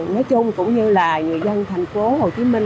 nói chung cũng như là người dân thành phố hồ chí minh